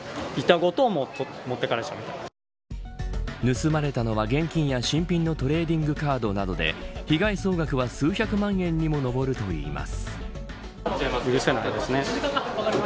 盗まれたのは、現金や新品のトレーディングカードなどで被害総額は数百万円にも上るといいます。